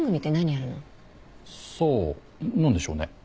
さあ何でしょうね。